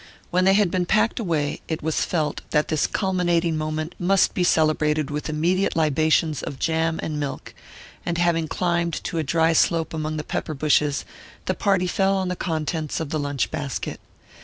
When they had been packed away, it was felt that this culminating moment must be celebrated with immediate libations of jam and milk; and having climbed to a dry slope among the pepper bushes, the party fell on the contents of the lunch basket.